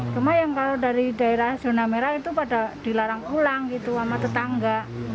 cuma yang kalau dari daerah zona merah itu pada dilarang pulang gitu sama tetangga